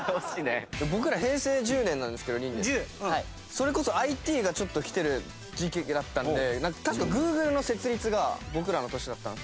それこそＩＴがちょっときてる時期だったので確かＧｏｏｇｌｅの設立が僕らの年だったんですよ。